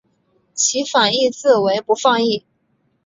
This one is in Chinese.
其反义字为不放逸。